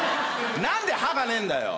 何で歯がねえんだよ？